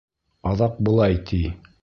Аҙаҡ былай ти: